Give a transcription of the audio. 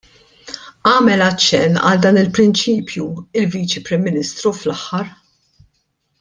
Għamel aċċenn għal dan il-prinċipju l-Viċi Prim Ministru fl-aħħar.